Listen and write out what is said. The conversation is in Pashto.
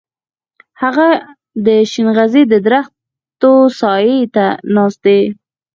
هغه د شينغزي د درختې و سايه ته ناست دی.